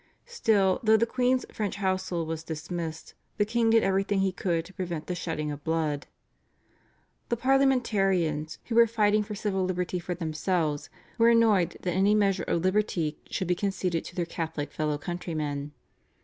Still, though the queen's French household was dismissed, the king did everything he could to prevent the shedding of blood. The Parliamentarians, who were fighting for civil liberty for themselves, were annoyed that any measure of liberty should be conceded to their Catholic fellow countrymen.